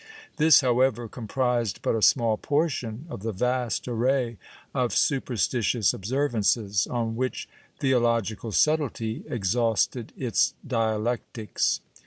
This, however, comprised but a small portion of the vast array of superstitious observances, on which theological subtilty exhausted its dialectics.